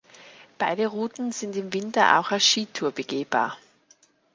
Beide Routen sind im Winter auch als Skitour begehbar.